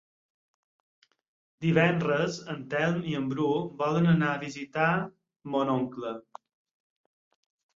Divendres en Telm i en Bru volen anar a visitar mon oncle.